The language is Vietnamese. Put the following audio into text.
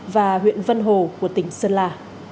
và huyện vân hồ của tỉnh sơn la